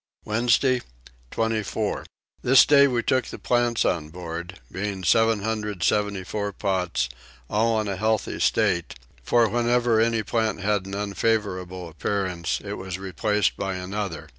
Wednesday 24. This day we took the plants on board, being 774 pots, all in a healthy state; for whenever any plant had an unfavourable appearance it was replaced by another.